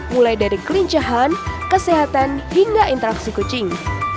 mulai dari kelincahan kesehatan hingga interaksi kucing